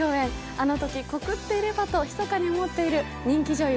あのとき告っていればとひそかに思っている人気女優